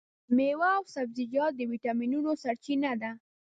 مېوې او سبزیجات د ویټامینونو سرچینه ده.